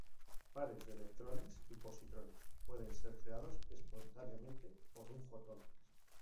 Pares de electrones y positrones pueden ser creados espontáneamente por un fotón.